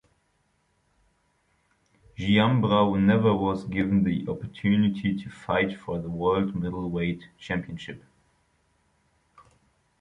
Giambra never was given the opportunity to fight for the world middleweight championship.